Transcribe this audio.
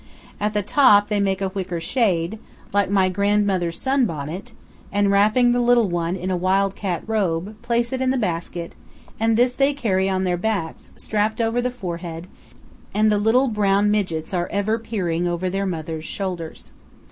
At the top they make a wicker shade, like "my grandmother's sunbonnet," and wrapping the little one in a wild cat robe, place it in the basket, and this they carry on their backs, strapped over the forehead, and the little brown midgets are ever peering over their mothers' shoulders.